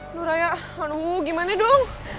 aduh raya aduh gimana dong